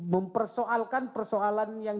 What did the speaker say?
mempersoalkan persoalan yang